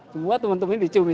semua teman teman diciumi